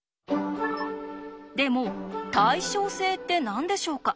でも「対称性」って何でしょうか？